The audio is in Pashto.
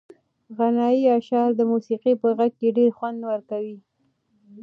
غنایي اشعار د موسیقۍ په غږ کې ډېر خوند ورکوي.